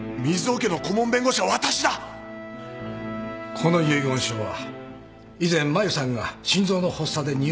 この遺言書は以前マユさんが心臓の発作で入院をした際に